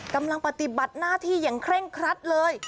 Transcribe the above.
กำลังปฏิบัติหน้าที่อย่างเคร่งครัดเลย